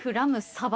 サバ？